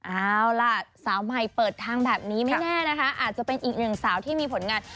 เอาล่ะสาวใหม่เปิดทางแบบนี้ไม่แน่นะคะอาจจะเป็นอีกหนึ่งสาวที่มีผลงาน